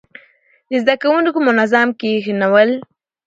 د زده کوونکو منظم کښينول،